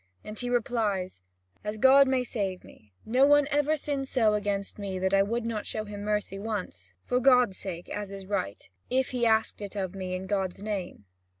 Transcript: And he replies: "As God may save me, no one ever sinned so against me that I would not show him mercy once, for God's sake as is right, if he asked it of me in God's name.